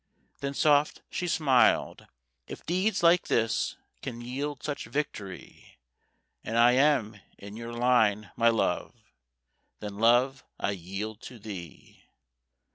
Then soft she smiled: "If deeds like this Can yield such victory, And I am in your line, my love, Then, love, I yield to thee."